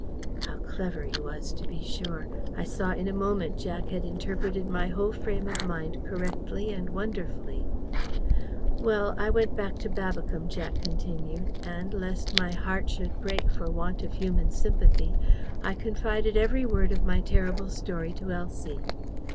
How clever he was, to be sure! I saw in a moment Jack had interpreted my whole frame of mind correctly and wonderfully. "Well, I went back to Babbicombe," Jack continued, "and, lest my heart should break for want of human sympathy, I confided every word of my terrible story to Elsie.